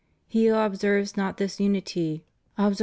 . He who observes not this unity observes not > S.